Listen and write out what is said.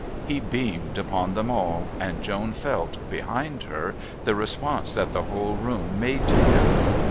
He beamed upon them all, and Joan felt, behind her, the response that the whole room made to him.